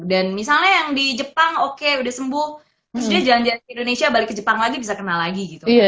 dan misalnya yang di jepang oke udah sembuh terus dia jalan jalan ke indonesia balik ke jepang lagi bisa kenal lagi gitu